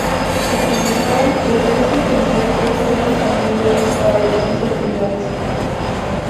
Utilizaban el río sin pensar en que pudieran tener problemas para realizar sus actividades.